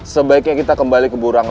sebaiknya kita kembali ke burang